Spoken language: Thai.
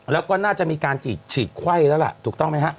แล้วก็น่าจะมีการฉีดฉีดไข้แล้วล่ะถูกต้องไหมฮะ